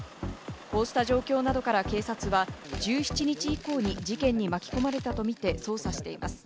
こうした状況などから警察は１７日以降に事件に巻き込まれたとみて捜査しています。